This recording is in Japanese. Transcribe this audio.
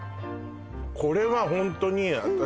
これはホントに私